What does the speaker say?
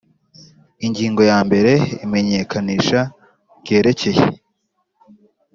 Ingingo ya mbere Imenyekanisha ryerekeye